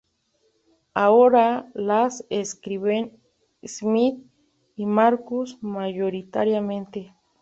Ahora las escriben Smith y Marcus mayoritariamente.